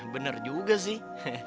bener juga sih